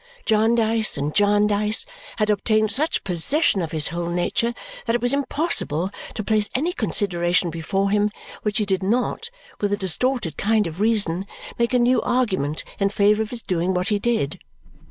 Jarndyce and Jarndyce had obtained such possession of his whole nature that it was impossible to place any consideration before him which he did not, with a distorted kind of reason, make a new argument in favour of his doing what he did.